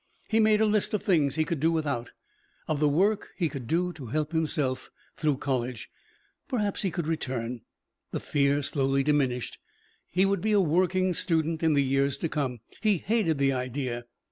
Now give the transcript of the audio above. He made a list of the things he could do without, of the work he could do to help himself through college. Perhaps he could return. The fear slowly diminished. He would be a working student in the year to come. He hated the idea.